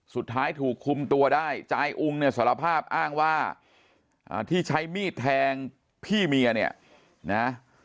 สุดท้ายถูกคุมตัวได้จายอุ้งเนี่ยสารภาพอ้างว่าที่ใช้มีดแทงพี่เมียเนี่ยนะ